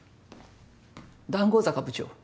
談合坂部長。